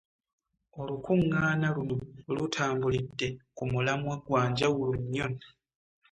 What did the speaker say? Olukungaana luno litambulidde ku mulamwa gwa njawulo nnyo